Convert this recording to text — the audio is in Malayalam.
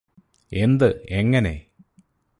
എന്ത് എങ്ങനെ